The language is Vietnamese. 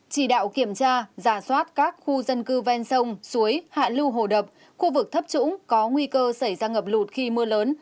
chỉ đạo kiểm tra giả soát các khu dân cư ven sông suối hạ lưu hồ đập khu vực thấp trũng có nguy cơ xảy ra ngập lụt khi mưa lớn